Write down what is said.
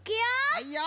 はいよ！